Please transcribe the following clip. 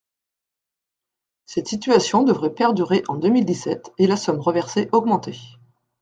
Cette situation devrait perdurer en deux mille dix-sept et la somme reversée augmenter.